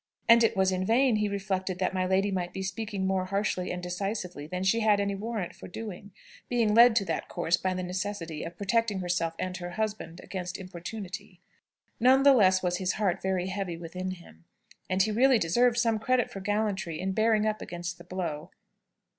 And it was in vain he reflected that my lady might be speaking more harshly and decisively than she had any warrant for doing, being led to that course by the necessity of protecting herself and her husband against importunity. None the less was his heart very heavy within him. And he really deserved some credit for gallantry in bearing up against the blow.